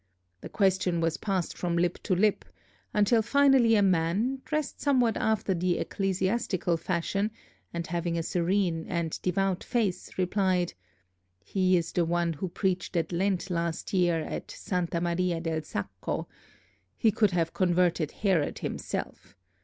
The question was passed from lip to lip, until finally a man, dressed somewhat after the ecclesiastical fashion and having a serene and devout face, replied: "He is the one who preached at Lent last year at Santa Maria del Sacco. He could have converted Herod himself.